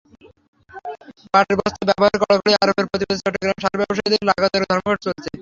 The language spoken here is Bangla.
পাটের বস্তার ব্যবহারে কড়াকড়ি আরোপের প্রতিবাদে চট্টগ্রামে সার ব্যবসায়ীদের লাগাতার ধর্মঘট চলছে।